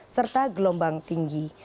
serta gelombang tinggi